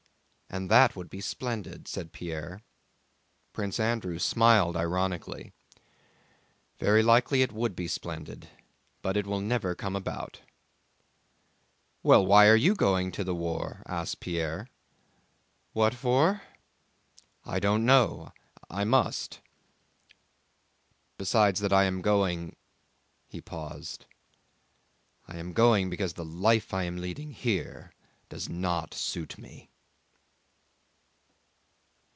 "And that would be splendid," said Pierre. Prince Andrew smiled ironically. "Very likely it would be splendid, but it will never come about...." "Well, why are you going to the war?" asked Pierre. "What for? I don't know. I must. Besides that I am going...." He paused. "I am going because the life I am leading here does not suit me!"